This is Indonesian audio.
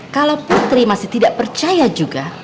kalau putri masih tidak percaya juga